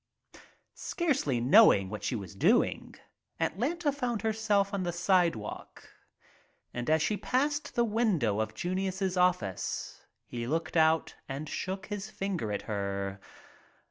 Scarcely knowing what she was doing Atlanta found herself on the sidewalk and as she passed the window of Junius' office he looked out and shook liis finger at her.